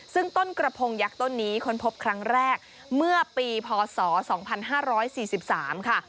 ซึ่งต้นกระพงยักษ์ต้นนี้ค้นพบครั้งแรกเมื่อปีพศ๒๕๔๓ค่ะ